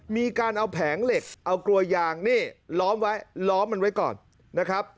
มีการเอาแผงเหล็กเอากลัวยางนี่ล้อมไว้ล้อมมันไว้ก่อนนะครับ